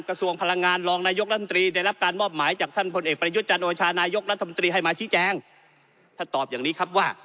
กระทรวงพลังงานรองนายกรัฐมนตรีได้รับการมอบหมายจาก